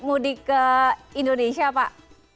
mudik ke indonesia pak